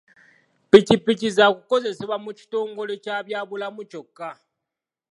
Ppikipiki zaakukozesebwa mu kitongole kya byabulamu kyokka.